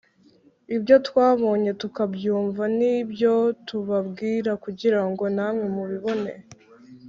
Ibyo twabonye tukabyumva ni byo tubabwira kugira ngo namwe mubibone